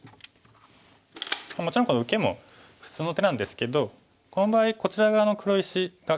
もちろんこの受けも普通の手なんですけどこの場合こちら側の黒石が堅い。